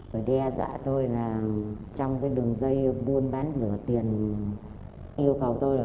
rồi đe dạ tôi là trong cái đường dây buôn bán rửa tiền yêu cầu tôi là